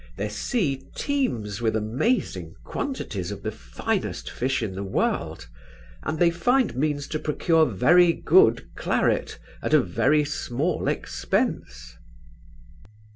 Their sea teems with amazing quantities of the finest fish in the world, and they find means to procure very good claret at a very small expence.